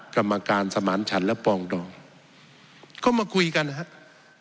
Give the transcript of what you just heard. กรรมการสมานฉันและปองดองเข้ามาคุยกันนะครับ